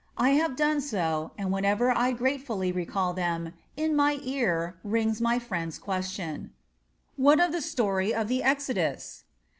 I have done so, and whenever I gratefully recall them, in my ear rings my friend's question: "What of the story of the Exodus?"